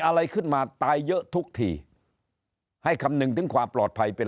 อะไรขึ้นมาตายเยอะทุกทีให้คำนึงถึงความปลอดภัยเป็น